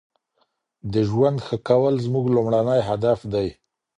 د ژوند ښه کول زموږ لومړنی هدف دی.